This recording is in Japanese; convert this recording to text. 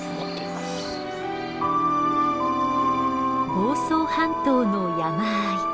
房総半島の山あい。